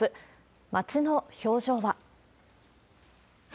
街の表情は。